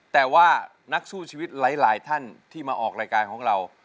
แต่ว่านักสู้ชีวิตหลายท่านที่มาออกรายการของเรา